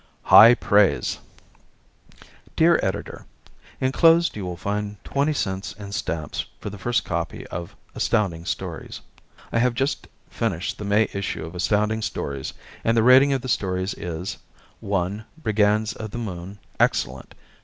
High Praise Dear Editor: Enclosed you will find twenty cents in stamps for the first copy of Astounding Stories. I have just finished the May issue of Astounding Stories and the rating of the stories is: 1 "Brigands of the Moon" Excellent!